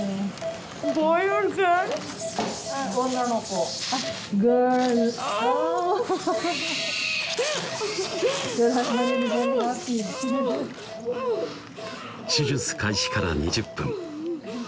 女の子手術開始から２０分